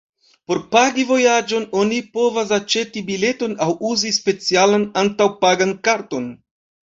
Por pagi vojaĝon oni povas aĉeti biletojn aŭ uzi specialan antaŭ-pagan karton.